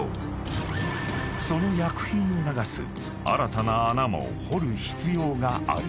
［その薬品を流す新たな穴も掘る必要がある］